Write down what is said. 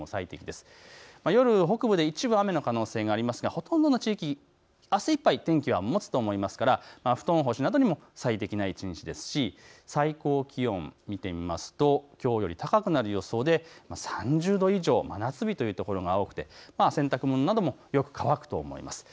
夜北部で一部雨の可能性がありますがほとんどの地域、あすいっぱい天気はもつと思いますから、布団干しなどにも最適な一日ですし最高気温、見てみますときょうより高くなる予想で３０度以上、真夏日という所が多くて、洗濯物などもよく乾くと思います。